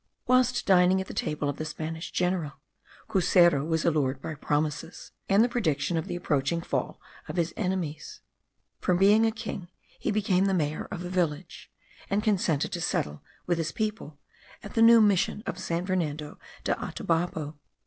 Whilst dining at the table of the Spanish general, Cuseru was allured by promises, and the prediction of the approaching fall of his enemies. From being a king he became the mayor of a village; and consented to settle with his people at the new mission of San Fernando de Atabapo.